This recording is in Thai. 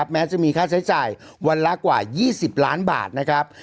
แม้จะมีค่าใช้จ่ายวันละกว่า๒๐ล้านบาทนะครับ